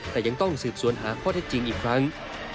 แต่ยังต้องสืบสวนหาข้อเท็จจริงอีกครั้ง